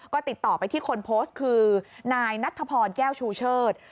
ก็ติดต่อไปที่คนโพสต์คือนายนัทธพรแก้วชูเชิด